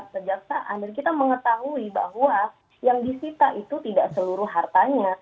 kejaksaan dan kita mengetahui bahwa yang disita itu tidak seluruh hartanya